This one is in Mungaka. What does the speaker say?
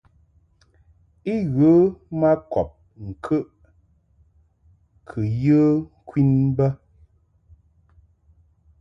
I ghə ma kɔb ŋkəʼ kɨ yə ŋkwin bə.